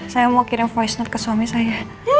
saya mau kirim voice note ke suami saya